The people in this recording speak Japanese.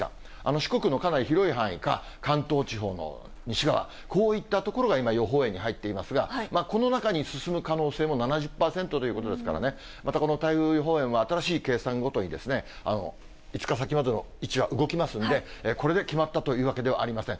四国のかなり広い範囲か、関東地方の西側、こういった所が今、予報円に入っていますが、この中に進む可能性も７０％ということですからね、またこの台風予報円は、新しい計算ごとに、５日先までの位置は動きますんで、これで決まったというわけではありません。